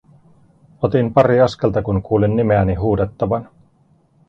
Otin pari askelta, kun kuulin nimeäni huudettavan.